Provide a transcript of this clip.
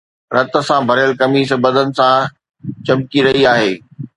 رت سان ڀريل قميص بدن سان چمڪي رهي آهي